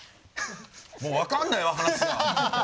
もう分かんないわ話が。